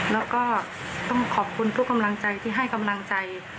แล้วก็ต้องขอบคุณทุกกำลังใจที่ให้กำลังใจ